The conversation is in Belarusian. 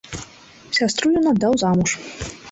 Сястру ён аддаў замуж.